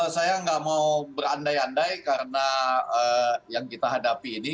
saya nggak mau berandai andai karena yang kita hadapi ini